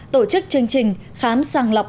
tổ chức chương trình khám sàng lọc